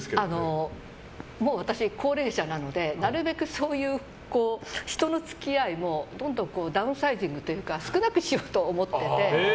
もう私、高齢者なのでなるべく、そういう人の付き合いもどんどんダウンサイジングというか少なくしようと思っていて。